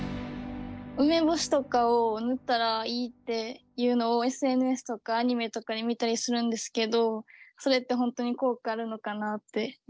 梅干しとかを塗ったらいいっていうのをＳＮＳとかアニメとかで見たりするんですけどそれって本当に効果あるのかなあっていう。